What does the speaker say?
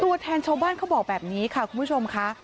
ตัวแทนชาวบ้านเขาบอกแบบนี้ค่ะคุณผู้ชมค่ะ